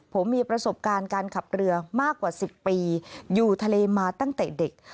ผมมีประสบการณ์การขับเรือมากกว่า๑๐ปีอยู่ทะเลมาตั้งแต่เด็ก